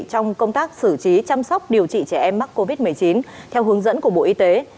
trong công tác xử trí chăm sóc điều trị trẻ em mắc covid một mươi chín theo hướng dẫn của bộ y tế